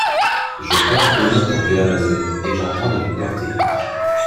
Je pars demain pour Guernesey, et j’entends les lui porter.